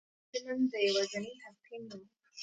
دا مېرمن د ده يوازېنۍ حقيقي مينه وه.